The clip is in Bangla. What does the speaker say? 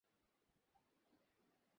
বেচারাকে কি তোমরা ঘুমুতে দেবে না?